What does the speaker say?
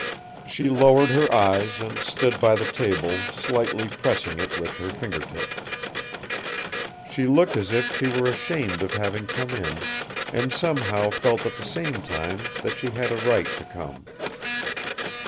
She lowered her eyes and stood by the table slightly pressing it with her finger tips. She looked as if she were ashamed of having come in and somehow felt at the same time that she had a right to come.